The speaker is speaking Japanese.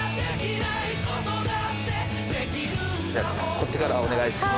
こっちからお願いします。